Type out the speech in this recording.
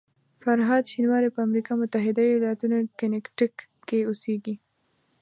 فرهاد شینواری په امریکا متحده ایالاتو کنیټیکټ کې اوسېږي.